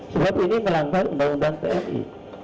sebab ini melanggar undang undang tni